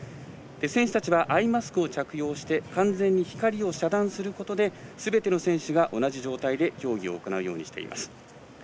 選手たちはアイマスクを着用して完全に光を遮断することですべての選手が同じ状態で競技を行うようにしています。